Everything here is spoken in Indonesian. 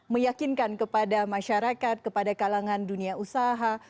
meyakinkan kepada masyarakat kepada kalangan dunia usaha